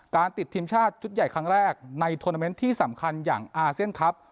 ติดทีมชาติชุดใหญ่ครั้งแรกในทวนาเมนต์ที่สำคัญอย่างอาเซียนครับ